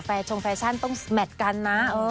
ชงแฟชั่นต้องแมทกันนะ